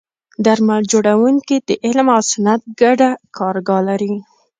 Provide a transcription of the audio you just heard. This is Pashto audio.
درمل جوړونکي د علم او صنعت ګډه کارګاه لري.